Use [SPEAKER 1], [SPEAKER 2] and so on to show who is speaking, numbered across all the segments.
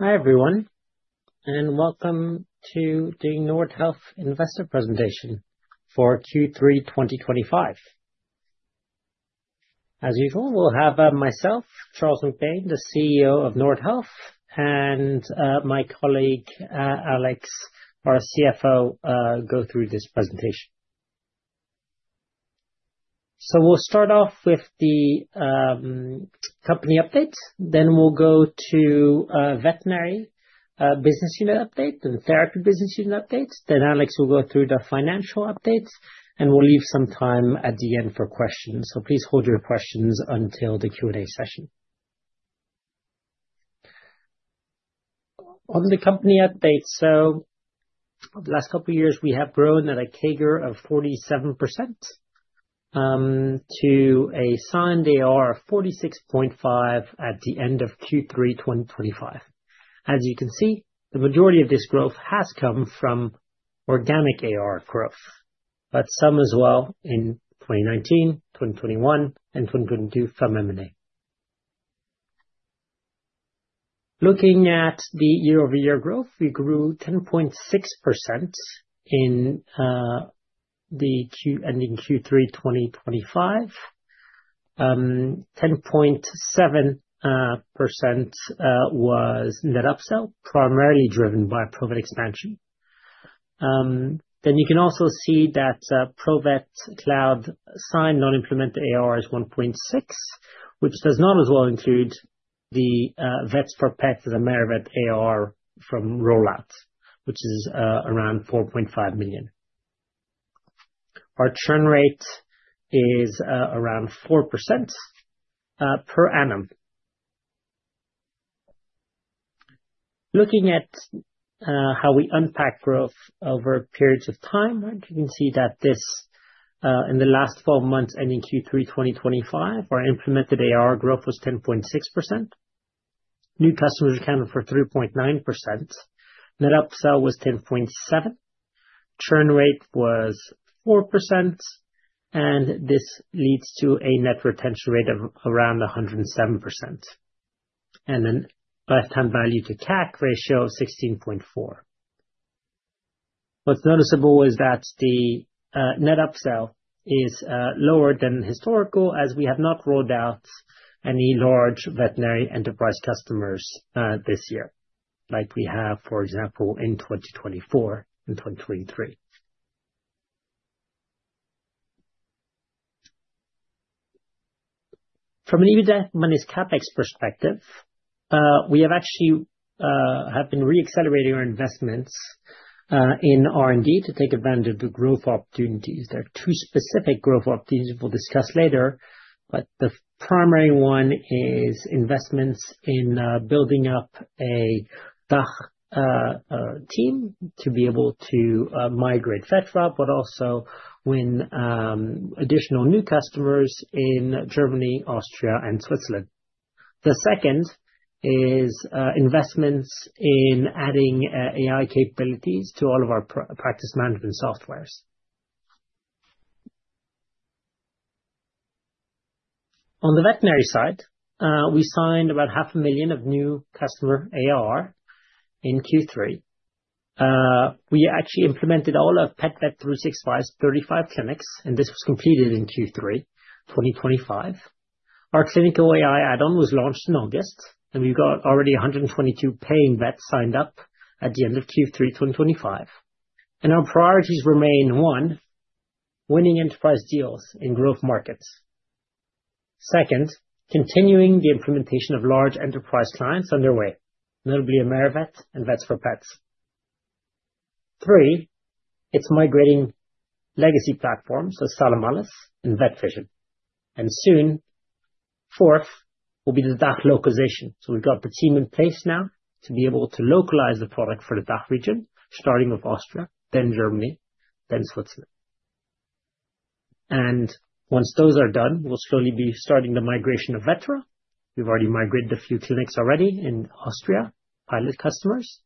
[SPEAKER 1] Hi everyone, and welcome to the Nordhealth Investor Presentation for Q3 2025. As usual, we'll have myself, Charles MacBain, the CEO of Nordhealth, and my colleague Alex, our CFO, go through this presentation. So we'll start off with the company update, then we'll go to Veterinary business unit update, the Therapy business unit update, then Alex will go through the financial updates, and we'll leave some time at the end for questions. So please hold your questions until the Q&A session. On the company update, so the last couple of years we have grown at a CAGR of 47% to a signed AR of 46.5 at the end of Q3 2025. As you can see, the majority of this growth has come from organic AR growth, but some as well in 2019, 2021, and 2022 from M&A. Looking at the year-over-year growth, we grew 10.6% in the Q3 2025. 10.7% was net upsell, primarily driven by Provet expansion. Then you can also see that Provet Cloud signed non-implemented AR is 1.6 million, which does not as well include the Vets4Pets and the AmeriVet AR from rollout, which is around 4.5 million. Our churn rate is around 4% per annum. Looking at how we unpack growth over periods of time, you can see that in the last 12 months ending Q3 2025, our implemented AR growth was 10.6%. New customers accounted for 3.9%. Net upsell was 10.7%. Churn rate was 4%, and this leads to a net retention rate of around 107% and then lifetime value to CAC ratio of 16.4. What's noticeable is that the net upsell is lower than historical, as we have not rolled out any large Veterinary enterprise customers this year, like we have, for example, in 2024 and 2023. From an EBITDA minus CapEx perspective, we have actually been re-accelerating our investments in R&D to take advantage of the growth opportunities. There are two specific growth opportunities. We'll discuss later, but the primary one is investments in building up a DACH team to be able to migrate veterinarians, but also win additional new customers in Germany, Austria, and Switzerland. The second is investments in adding AI capabilities to all of our practice management software. On the Veterinary side, we signed about 500,000 of new customer AR in Q3. We actually implemented all of PetVet365's 35 clinics, and this was completed in Q3 2025. Our clinical AI add-on was launched in August, and we've got already 122 paying vets signed up at the end of Q3 2025. Our priorities remain, one, winning enterprise deals in growth markets. Second, continuing the implementation of large enterprise clients underway, notably AmeriVet and Vets4Pets. Three, it's migrating legacy platforms such as Sanimalis and VetVision. And soon, fourth, will be the DACH localization. So we've got the team in place now to be able to localize the product for the DACH region, starting with Austria, then Germany, then Switzerland. And once those are done, we'll slowly be starting the migration of Vetera. We've already migrated a few clinics already in Austria, pilot customers,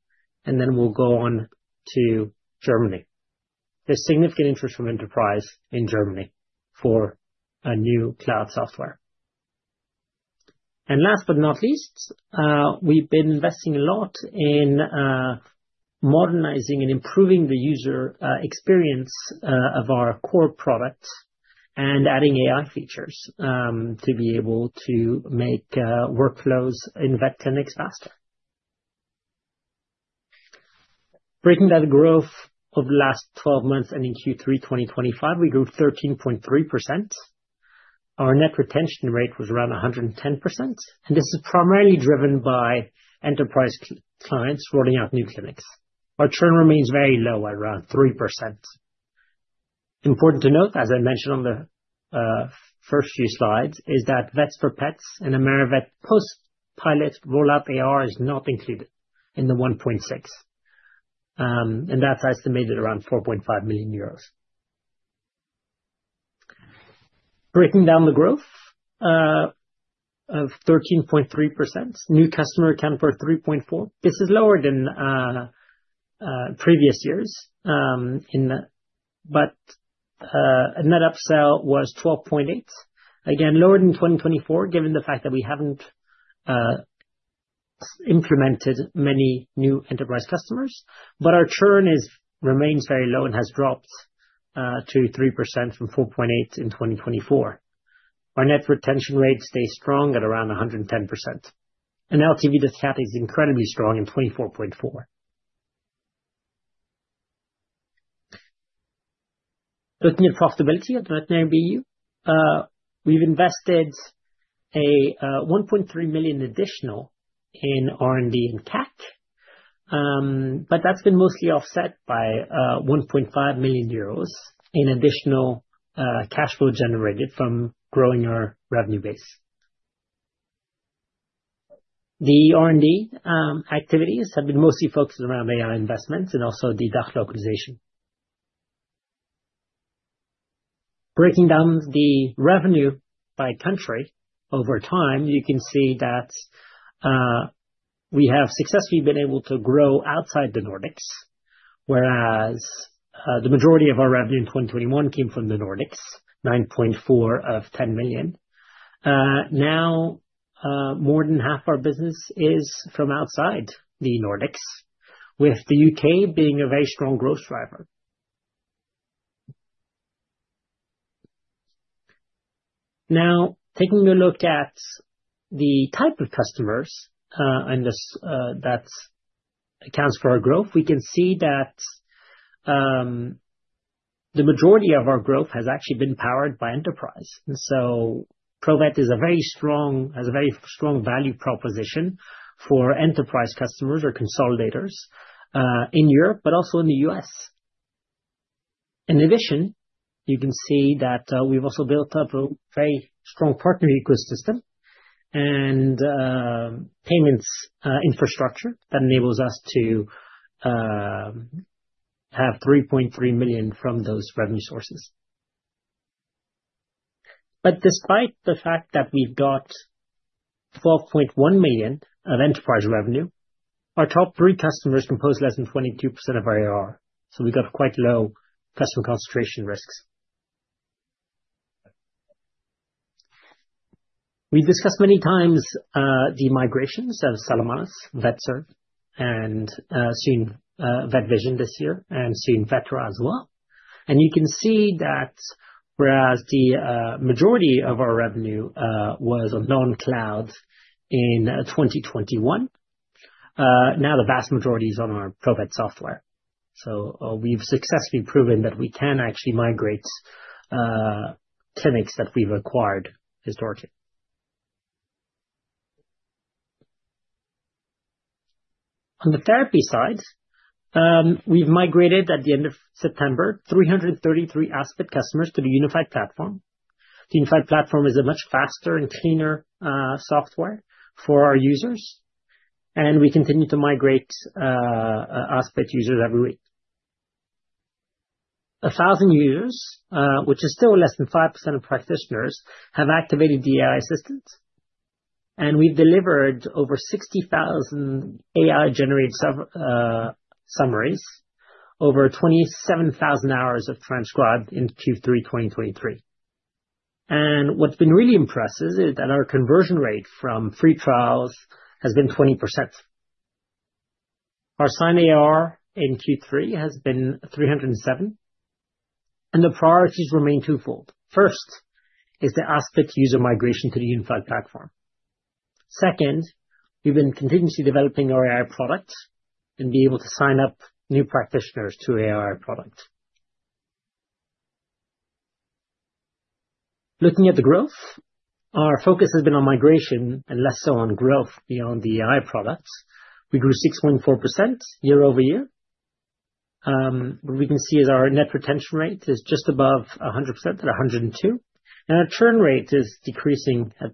[SPEAKER 1] and then we'll go on to Germany. There's significant interest from enterprise in Germany for a new cloud software. And last but not least, we've been investing a lot in modernizing and improving the user experience of our core products and adding AI features to be able to make workflows in vet clinics faster. Breaking down the growth of the last 12 months ending Q3 2025, we grew 13.3%. Our net retention rate was around 110%, and this is primarily driven by enterprise clients rolling out new clinics. Our churn remains very low at around 3%. Important to note, as I mentioned on the first few slides, is that Vets4Pets and AmeriVet post-pilot rollout AR is not included in the 1.6, and that's estimated around 4.5 million euros. Breaking down the growth of 13.3%, new customers account for 3.4%. This is lower than previous years, but net upsell was 12.8%. Again, lower than 2024, given the fact that we haven't implemented many new enterprise customers, but our churn remains very low and has dropped to 3% from 4.8% in 2024. Our net retention rate stays strong at around 110%. And LTV/CAC is incredibly strong at 24.4. Looking at profitability at Veterinary BU, we've invested 1.3 million additional in R&D and CAC, but that's been mostly offset by 1.5 million euros in additional cash flow generated from growing our revenue base. The R&D activities have been mostly focused around AI investments and also the DACH localization. Breaking down the revenue by country over time, you can see that we have successfully been able to grow outside the Nordics, whereas the majority of our revenue in 2021 came from the Nordics, 9.4 million of 10 million. Now, more than half our business is from outside the Nordics, with the U.K. being a very strong growth driver. Now, taking a look at the type of customers that accounts for our growth, we can see that the majority of our growth has actually been powered by enterprise. Provet has a very strong value proposition for enterprise customers or consolidators in Europe, but also in the U.S. In addition, you can see that we've also built up a very strong partner ecosystem and payments infrastructure that enables us to have 3.3 million from those revenue sources. Despite the fact that we've got 12.1 million of enterprise revenue, our top three customers compose less than 22% of our AR, so we've got quite low customer concentration risks. We've discussed many times the migrations of Sanimalis, Vetserve, and soon Vetvision this year, and soon Vetera as well. You can see that whereas the majority of our revenue was on non-cloud in 2021, now the vast majority is on our Provet software. We've successfully proven that we can actually migrate clinics that we've acquired historically. On the Therapy side, we've migrated at the end of September, 333 Aspit customers to the unified platform. The unified platform is a much faster and cleaner software for our users, and we continue to migrate Aspit users every week. 1,000 users, which is still less than 5% of practitioners, have activated the AI assistant, and we delivered over 60,000 AI-generated summaries, over 27,000 hours of transcription in Q3 2023, and what's been really impressive is that our conversion rate from free trials has been 20%. Our signed AR in Q3 has been 307, and the priorities remain twofold. First is the Aspit user migration to the unified platform. Second, we've been continuously developing our AI product and be able to sign up new practitioners to our AI product. Looking at the growth, our focus has been on migration and less so on growth beyond the AI product. We grew 6.4% year-over-year. What we can see is our net retention rate is just above 100% at 102%, and our churn rate is decreasing at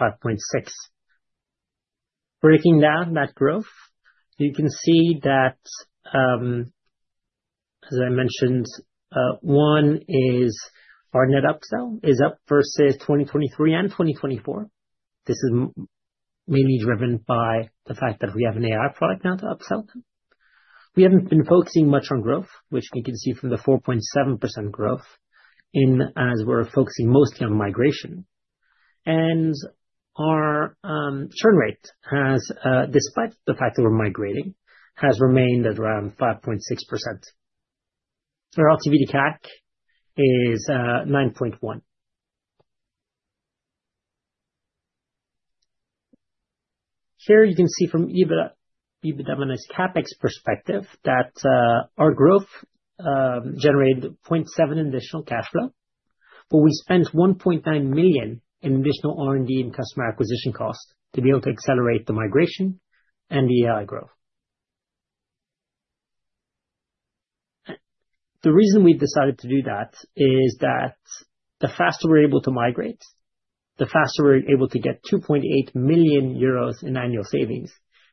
[SPEAKER 1] 5.6%. Breaking down that growth, you can see that, as I mentioned, one is our net upsell is up versus 2023 and 2024. This is mainly driven by the fact that we have an AI product now to upsell them. We haven't been focusing much on growth, which you can see from the 4.7% growth as we're focusing mostly on migration. Our churn rate, despite the fact that we're migrating, has remained at around 5.6%. Our LTV/CAC is 9.1. Here you can see from EBITDA minus CapEx perspective that our growth generated 0.7 million in additional cash flow, but we spent 1.9 million in additional R&D and customer acquisition cost to be able to accelerate the migration and the AI growth. The reason we decided to do that is that the faster we're able to migrate, the faster we're able to get 2.8 million euros in annual savings,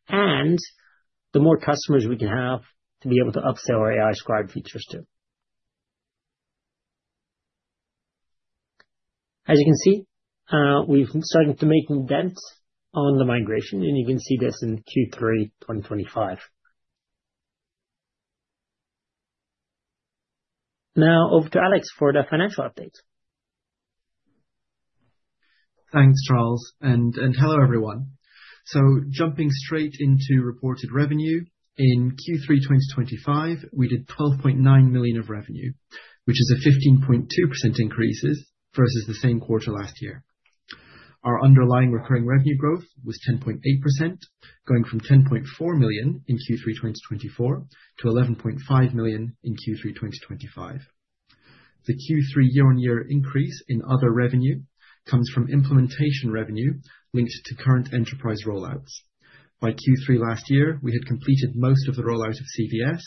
[SPEAKER 1] and the more customers we can have to be able to upsell our AI scribe features to. As you can see, we've started to make bets on the migration, and you can see this in Q3 2025. Now over to Alex for the financial update.
[SPEAKER 2] Thanks, Charles. And hello, everyone. So jumping straight into reported revenue, in Q3 2025, we did 12.9 million of revenue, which is a 15.2% increase versus the same quarter last year. Our underlying recurring revenue growth was 10.8%, going from 10.4 million in Q3 2024 to 11.5 million in Q3 2025. The Q3 year-on-year increase in other revenue comes from implementation revenue linked to current enterprise rollouts. By Q3 last year, we had completed most of the rollout of CVS,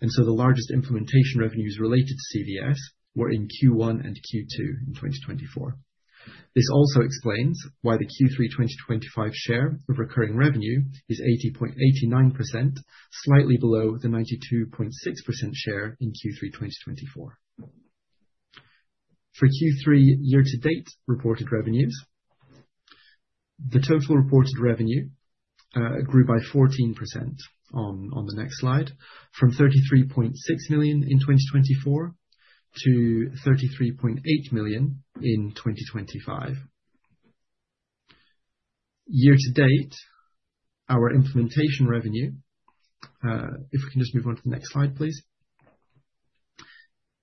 [SPEAKER 2] and so the largest implementation revenues related to CVS were in Q1 and Q2 in 2024. This also explains why the Q3 2025 share of recurring revenue is 80.89%, slightly below the 92.6% share in Q3 2024. For Q3 year-to-date reported revenues, the total reported revenue grew by 14% on the next slide, from 33.6 million in 2024 to 33.8 million in 2025. Year-to-date, our implementation revenue, if we can just move on to the next slide, please.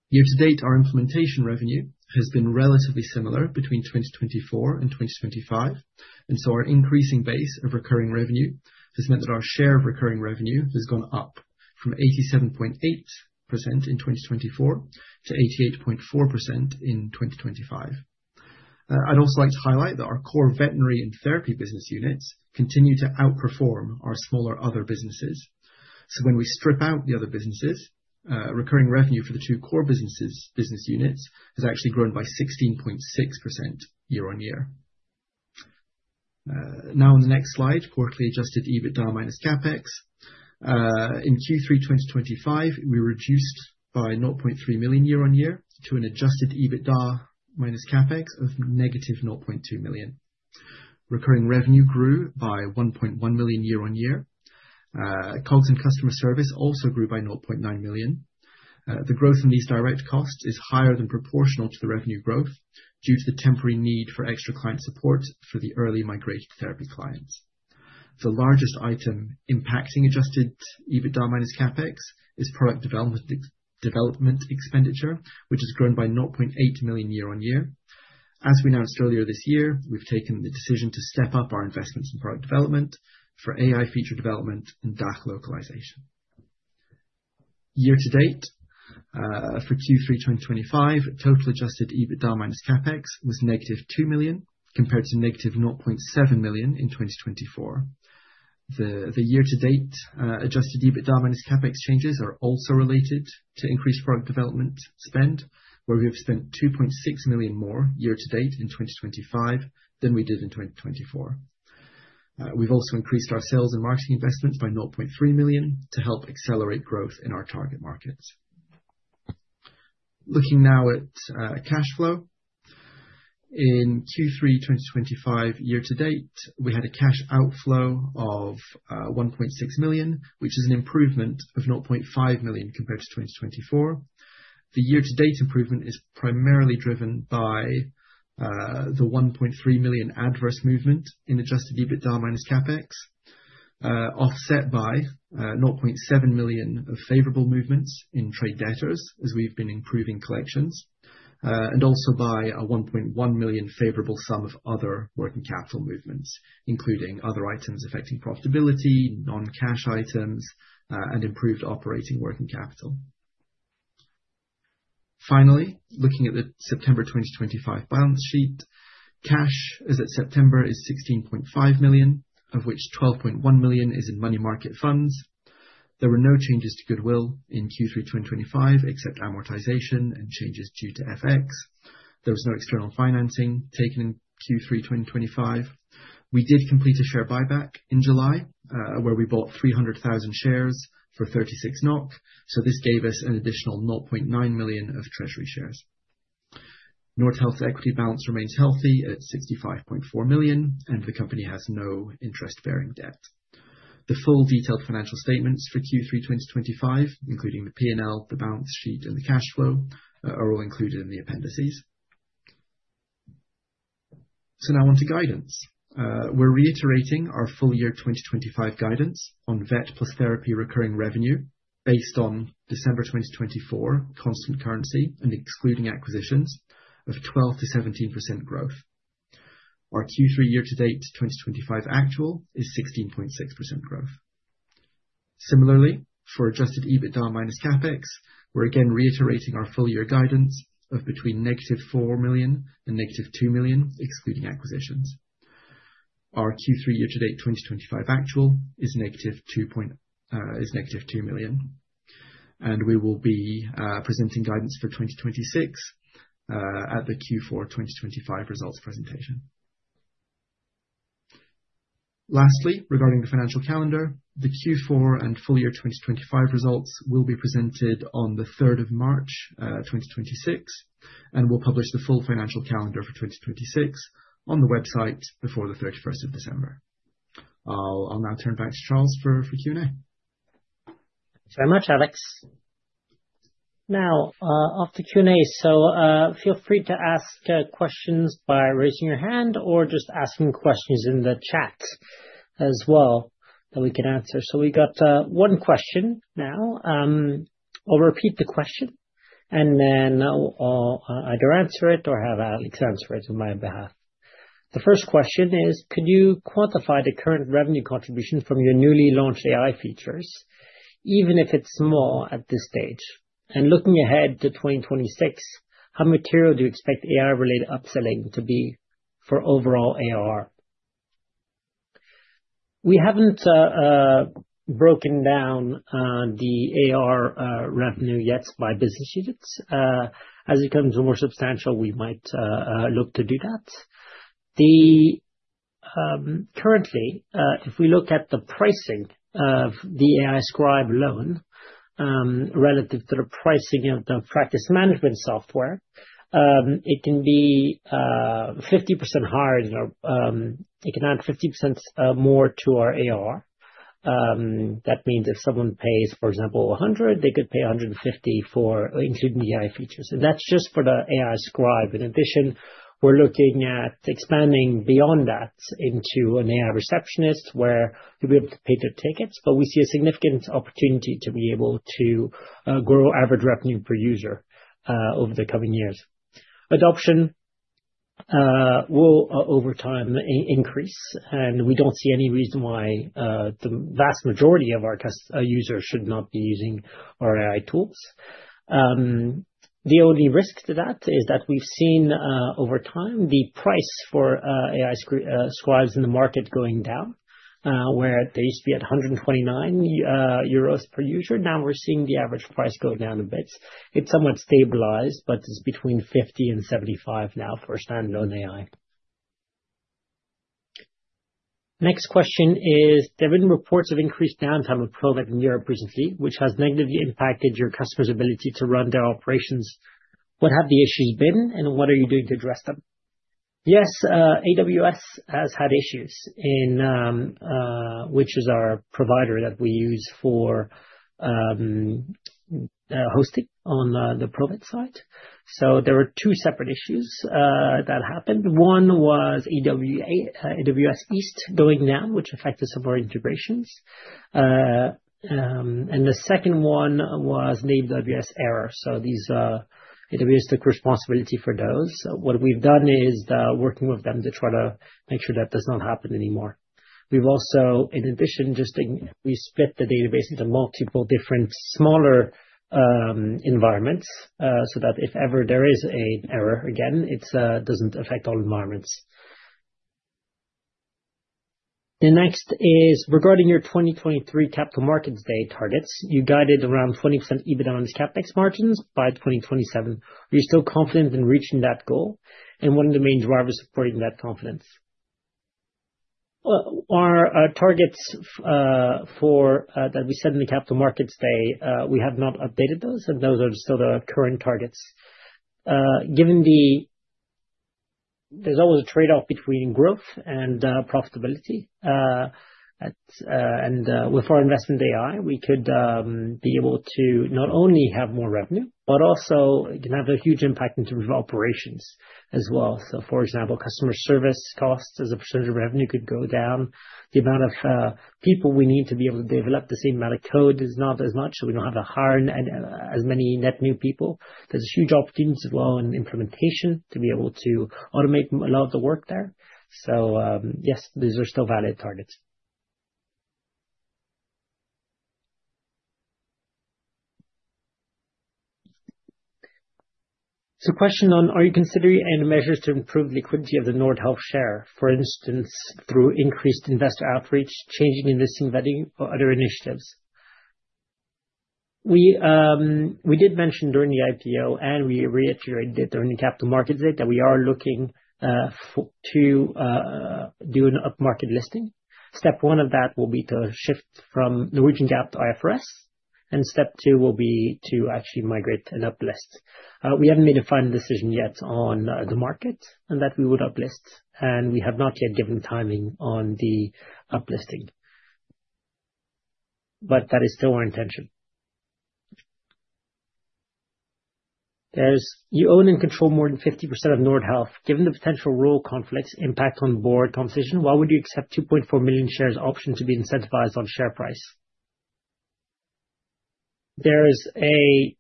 [SPEAKER 2] Year-to-date, our implementation revenue has been relatively similar between 2024 and 2025, and so our increasing base of recurring revenue has meant that our share of recurring revenue has gone up from 87.8% in 2024 to 88.4% in 2025. I'd also like to highlight that our core Veterinary and Therapy business units continue to outperform our smaller other businesses. So when we strip out the other businesses, recurring revenue for the two core business units has actually grown by 16.6% year-on-year. Now, on the next slide, quarterly Adjusted EBITDA minus CapEx. In Q3 2025, we reduced by 0.3 million year-on-year to an Adjusted EBITDA minus CapEx of -0.2 million. Recurring revenue grew by 1.1 million year-on-year. COGS and customer service also grew by 0.9 million. The growth in these direct costs is higher than proportional to the revenue growth due to the temporary need for extra client support for the early migrated Therapy clients. The largest item impacting adjusted EBITDA minus CapEx is product development expenditure, which has grown by 0.8 million year-on-year. As we announced earlier this year, we've taken the decision to step up our investments in product development for AI feature development and DACH localization. Year-to-date for Q3 2025, total adjusted EBITDA minus CapEx was -2 million compared to -0.7 million in 2024. The year-to-date adjusted EBITDA minus CapEx changes are also related to increased product development spend, where we have spent 2.6 million more year-to-date in 2025 than we did in 2024. We've also increased our sales and marketing investments by 0.3 million to help accelerate growth in our target markets. Looking now at cash flow, in Q3 2025 year-to-date, we had a cash outflow of 1.6 million, which is an improvement of 0.5 million compared to 2024. The year-to-date improvement is primarily driven by the 1.3 million adverse movement in adjusted EBITDA minus CapEx, offset by 0.7 million of favorable movements in trade debtors as we've been improving collections, and also by a 1.1 million favorable sum of other working capital movements, including other items affecting profitability, non-cash items, and improved operating working capital. Finally, looking at the September 2025 balance sheet, cash as of September is 16.5 million, of which 12.1 million is in money market funds. There were no changes to goodwill in Q3 2025 except amortization and changes due to FX. There was no external financing taken in Q3 2025. We did complete a share buyback in July where we bought 300,000 shares for 36 NOK, so this gave us an additional 0.9 million of treasury shares. Nordhealth's equity balance remains healthy at 65.4 million, and the company has no interest-bearing debt. The full detailed financial statements for Q3 2025, including the P&L, the balance sheet, and the cash flow, are all included in the appendices. So now on to guidance. We're reiterating our full year 2025 guidance on Vet + Therapy recurring revenue based on December 2024 constant currency and excluding acquisitions of 12%-17% growth. Our Q3 year-to-date 2025 actual is 16.6% growth. Similarly, for Adjusted EBITDA minus CapEx, we're again reiterating our full year guidance of between -4 million and -2 million excluding acquisitions. Our Q3 year-to-date 2025 actual is -2 million, and we will be presenting guidance for 2026 at the Q4 2025 results presentation. Lastly, regarding the financial calendar, the Q4 and full year 2025 results will be presented on the 3rd of March 2026, and we'll publish the full financial calendar for 2026 on the website before the 31st of December. I'll now turn back to Charles for Q&A.
[SPEAKER 1] Thanks very much, Alex. Now, after Q&A, so feel free to ask questions by raising your hand or just asking questions in the chat as well that we can answer. So we got one question now. I'll repeat the question, and then I'll either answer it or have Alex answer it on my behalf. The first question is, could you quantify the current revenue contribution from your newly launched AI features, even if it's small at this stage? Looking ahead to 2026, how material do you expect AI-related upselling to be for overall AR? We haven't broken down the AR revenue yet by business units. As it becomes more substantial, we might look to do that. Currently, if we look at the pricing of the AI scribe alone relative to the pricing of the practice management software, it can be 50% higher. It can add 50% more to our AR. That means if someone pays, for example, 100, they could pay 150 for including the AI features. And that's just for the AI scribe. In addition, we're looking at expanding beyond that into an AI receptionist where you'll be able to pay the tickets, but we see a significant opportunity to be able to grow average revenue per user over the coming years. Adoption will over time increase, and we don't see any reason why the vast majority of our users should not be using our AI tools. The only risk to that is that we've seen over time the price for AI scribes in the market going down, where they used to be at 129 euros per user. Now we're seeing the average price go down a bit. It's somewhat stabilized, but it's between 50-75 now for standalone AI. Next question is, there have been reports of increased downtime of Provet in Europe recently, which has negatively impacted your customers' ability to run their operations. What have the issues been, and what are you doing to address them? Yes, AWS has had issues, which is our provider that we use for hosting on the Provet side. So there were two separate issues that happened. One was AWS East going down, which affected some of our integrations, and the second one was the AWS error, so AWS took responsibility for those. What we've done is working with them to try to make sure that does not happen anymore. We've also, in addition, just we split the database into multiple different smaller environments so that if ever there is an error again, it doesn't affect all environments. The next is regarding your 2023 Capital Markets Day targets. You guided around 20% EBITDA minus CapEx margins by 2027. Are you still confident in reaching that goal, and what are the main drivers supporting that confidence? Well, our targets that we set in the Capital Markets Day, we have not updated those, and those are still the current targets. Given that there's always a trade-off between growth and profitability. With our investment in AI, we could be able to not only have more revenue, but also can have a huge impact in terms of operations as well. So, for example, customer service costs as a percentage of revenue could go down. The amount of people we need to be able to develop the same amount of code is not as much, so we don't have to hire as many net new people. There's a huge opportunity as well in implementation to be able to automate a lot of the work there. So yes, these are still valid targets. It's a question on, are you considering any measures to improve the liquidity of the Nordhealth share, for instance, through increased investor outreach, changing the listing venue, or other initiatives? We did mention during the IPO, and we reiterated during the Capital Markets Day that we are looking to do an upmarket listing. Step one of that will be to shift from Norwegian GAAP to IFRS, and step two will be to actually migrate and uplist. We haven't made a final decision yet on the market and that we would uplist, and we have not yet given timing on the uplisting, but that is still our intention. There's, you own and control more than 50% of Nordhealth. Given the potential role conflicts, impact on board conversation, why would you accept 2.4 million shares option to be incentivized on share price? There is a,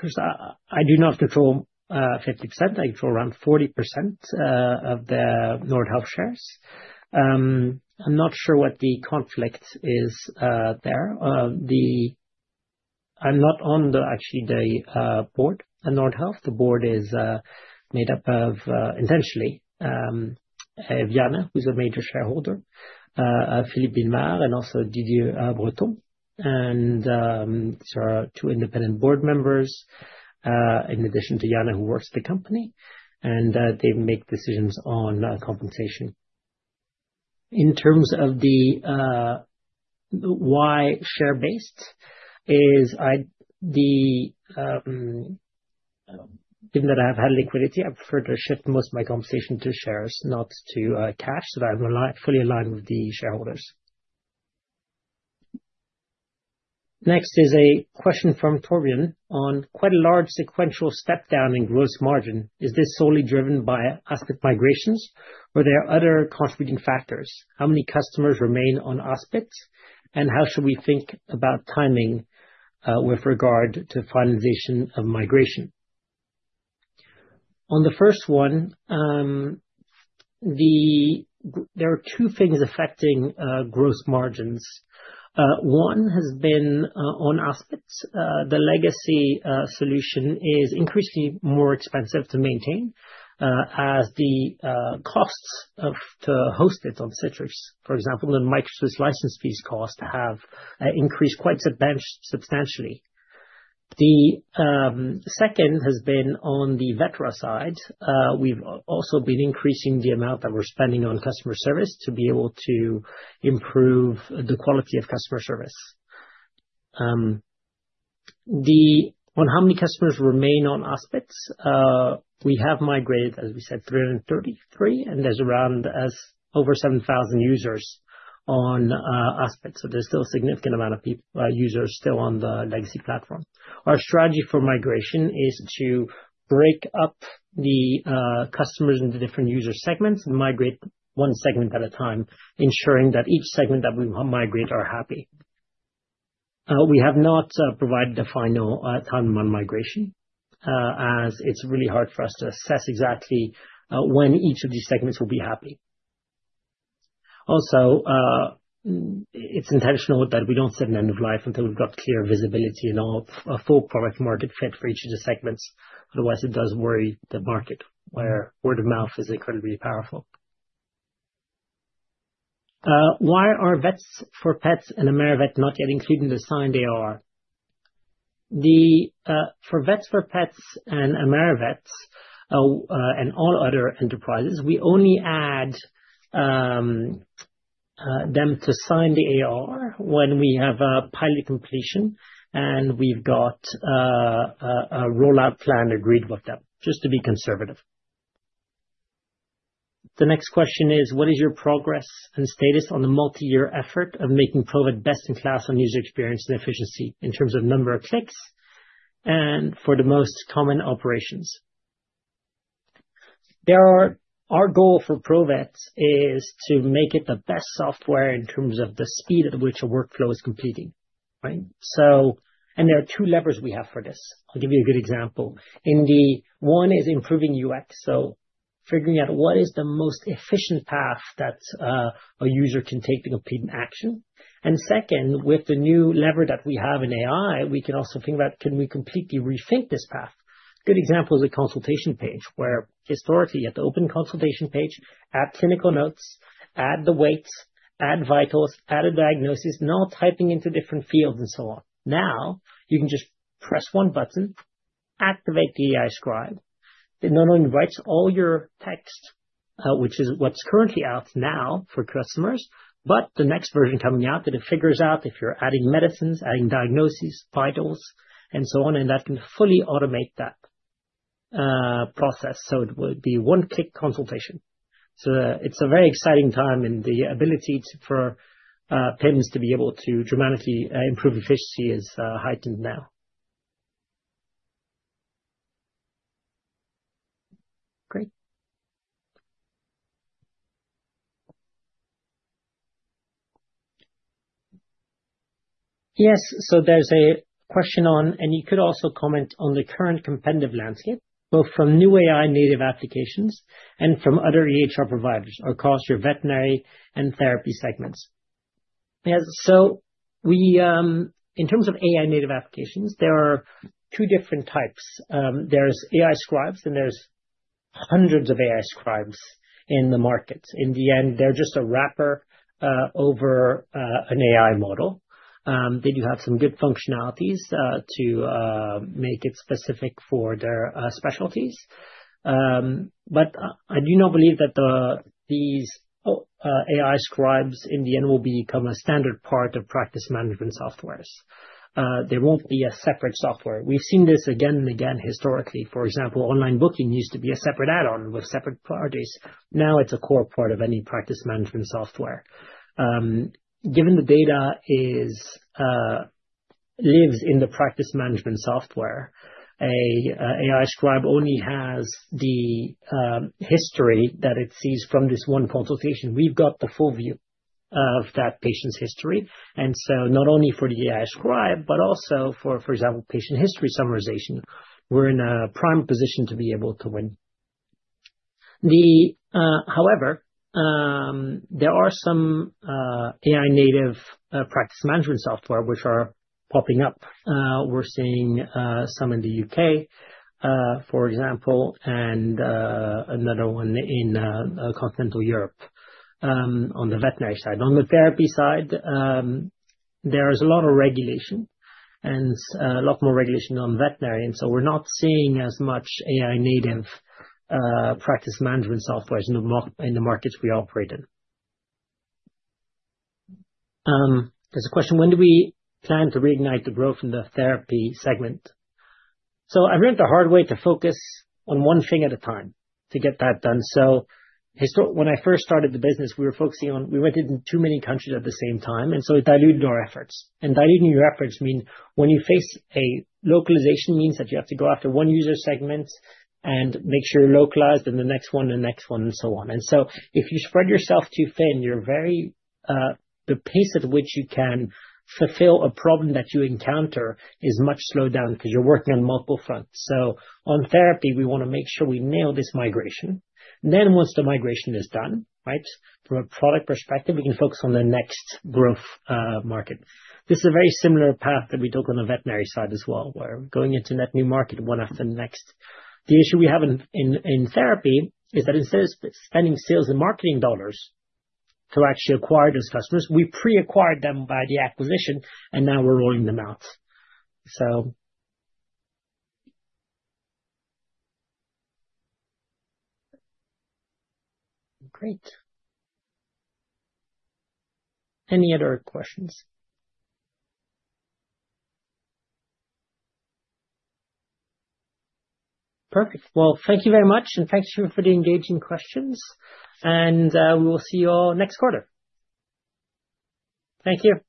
[SPEAKER 1] first, I do not control 50%. I control around 40% of the Nordhealth shares. I'm not sure what the conflict is there. I'm not on the, actually, the Board at Nordhealth. The Board is made up of, intentionally, Janne, who's a major shareholder, Philippe Vimard, and also Didier Breton. And there are two Independent Board Members in addition to Janne who works at the company, and they make decisions on compensation. In terms of the why share-based is, given that I have had liquidity, I prefer to shift most of my compensation to shares, not to cash, so that I'm fully aligned with the shareholders. Next is a question from Torbjørn on quite a large sequential step down in gross margin. Is this solely driven by Aspit migrations, or are there other cost-driving factors? How many customers remain on Aspit, and how should we think about timing with regard to finalization of migration? On the first one, there are two things affecting gross margins. One has been on Aspit. The legacy solution is increasingly more expensive to maintain as the costs to host it on Citrix, for example, and Microsoft's license fees cost have increased quite substantially. The second has been on the Vetera side. We've also been increasing the amount that we're spending on customer service to be able to improve the quality of customer service. On how many customers remain on Aspit, we have migrated, as we said, 333, and there's around over 7,000 users on Aspit. So there's still a significant amount of users still on the legacy platform. Our strategy for migration is to break up the customers into different user segments and migrate one segment at a time, ensuring that each segment that we migrate are happy. We have not provided a final time on migration, as it's really hard for us to assess exactly when each of these segments will be happy. Also, it's intentional that we don't set an end of life until we've got clear visibility and a full product-market fit for each of the segments. Otherwise, it does worry the market, where word of mouth is incredibly powerful. Why are Vets4Pets and AmeriVet not yet included in the signed AR? For Vets4Pets and AmeriVet and all other enterprises, we only add them to signed AR when we have a pilot completion and we've got a rollout plan agreed with them, just to be conservative. The next question is, what is your progress and status on the multi-year effort of making Provet best in class on user experience and efficiency in terms of number of clicks and for the most common operations? Our goal for Provet is to make it the best software in terms of the speed at which a workflow is completing. There are two levers we have for this. I'll give you a good example. One is improving UX, so figuring out what is the most efficient path that a user can take to complete an action. Second, with the new lever that we have in AI, we can also think about, can we completely rethink this path? Good example is the consultation page, where historically you had to open the consultation page, add clinical notes, add the weights, add vitals, add a diagnosis, now typing into different fields and so on. Now you can just press one button, activate the AI scribe. It not only writes all your text, which is what's currently out now for customers, but the next version coming out, that it figures out if you're adding medicines, adding diagnoses, vitals, and so on, and that can fully automate that process. So it would be one-click consultation. So it's a very exciting time, and the ability for payments to be able to dramatically improve efficiency is heightened now. Great. Yes, so there's a question on, and you could also comment on the current competitive landscape, both from new AI-native applications and from other EHR providers across your Veterinary and Therapy segments. So in terms of AI-native applications, there are two different types. There's AI scribes, and there's hundreds of AI scribes in the market. In the end, they're just a wrapper over an AI model. They do have some good functionalities to make it specific for their specialties. But I do not believe that these AI scribes in the end will become a standard part of practice management software. There won't be a separate software. We've seen this again and again historically. For example, online booking used to be a separate add-on with separate priorities. Now it's a core part of any practice management software. Given the data lives in the practice management software, an AI scribe only has the history that it sees from this one consultation. We've got the full view of that patient's history. And so not only for the AI scribe, but also for, for example, patient history summarization, we're in a prime position to be able to win. However, there are some AI-native practice management software which are popping up. We're seeing some in the U.K., for example, and another one in continental Europe on the Veterinary side. On the Therapy side, there is a lot of regulation and a lot more regulation on Veterinary. And so we're not seeing as much AI-native practice management software in the markets we operate in. There's a question: When do we plan to reignite the growth in the Therapy segment, so I've learned a hard way to focus on one thing at a time to get that done, so when I first started the business, we were focusing on, we went into too many countries at the same time, and so it diluted our efforts, and diluting your efforts means when you face a localization means that you have to go after one user segment and make sure you're localized in the next one and the next one and so on, and so if you spread yourself too thin, you're very, the pace at which you can fulfill a problem that you encounter is much slowed down because you're working on multiple fronts, so on Therapy, we want to make sure we nail this migration. Then once the migration is done, right, from a product perspective, we can focus on the next growth market. This is a very similar path that we took on the Veterinary side as well, where going into that new market one after the next. The issue we have in Therapy is that instead of spending sales and marketing dollars to actually acquire those customers, we pre-acquired them by the acquisition, and now we're rolling them out. So, great. Any other questions? Perfect, well, thank you very much, and thank you for the engaging questions, and we will see you all next quarter. Thank you.